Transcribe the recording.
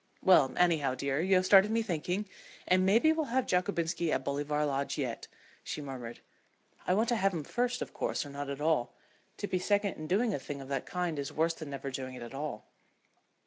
"Well, anyhow, dear, you have started me thinking, and maybe we'll have Jockobinski at Bolivar Lodge yet," she murmured. "I want to have him first, of course, or not at all. To be second in doing a thing of that kind is worse than never doing it at all."